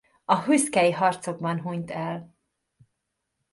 A huescai harcokban hunyt el.